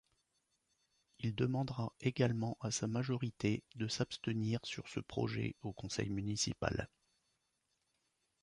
Il demandera également à sa majorité de s'abstenir sur ce projet au conseil municipal.